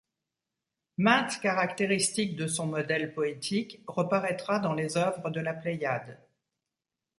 Mainte caractéristique de son modèle poétique reparaîtra dans les œuvres de la Pléiade.